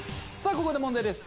ここで問題です